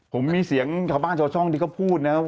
ผมมีเสียงข้าวบ้านช่วงที่เขาพูดนะ